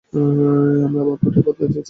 আমার ভাগ্যটাই বদলে গেছে, তাই না?